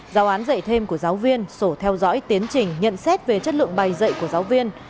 giáo án dạy thêm của giáo viên sổ theo dõi tiến trình nhận xét về chất lượng bài dạy của giáo viên